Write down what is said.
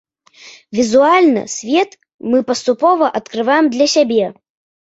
Візуальна свет мы паступова адкрываем для сябе.